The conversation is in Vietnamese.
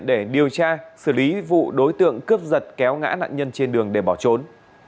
để điều tra xử lý vụ đối tượng cướp giật kéo ngã nạn nhân trên đường để bỏ trốn